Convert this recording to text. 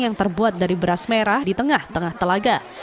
yang terbuat dari beras merah di tengah tengah telaga